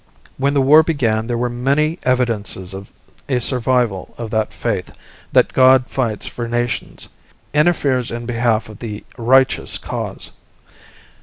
When the war began there were many evidences of a survival of that faith that God fights for nations, interferes in behalf of the "righteous" cause.